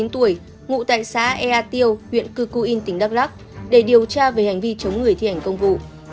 ngụ tại xã ea tiêu huyện cư cư in tỉnh đắk lắc để điều tra về hành vi chống người thi hành công vụ